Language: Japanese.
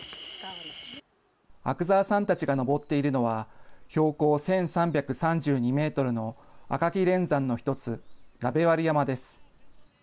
阿久澤さんたちが登っているのは、標高１３３２メートルの赤木連山の一つ、鍋割山です。